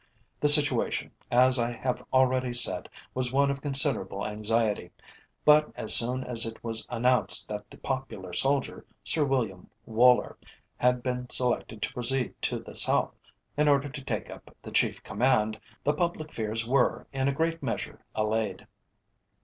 The situation, as I have already said, was one of considerable anxiety, but as soon as it was announced that that popular soldier, Sir William Woller, had been selected to proceed to the South, in order to take up the Chief Command, the public fears were in a great measure allayed.